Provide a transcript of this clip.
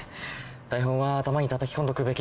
台本は頭にたたき込んどくべきですよね。